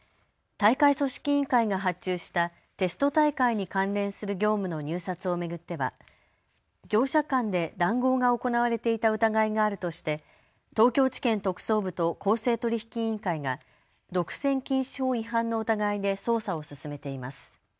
大会組織委員会が発注したテスト大会に関連する業務の入札を巡っては業者間で談合が行われていた疑いがあるとして東京地検特捜部と公正取引委員会が独占禁止法違反の疑いで捜査を進めています。